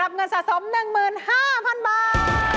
อันนี้สำคัญคืออะไรพี่เอ๊ะ